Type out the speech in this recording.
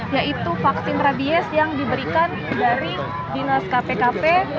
yaitu vaksin rabies yang diberikan dari dinas kpkp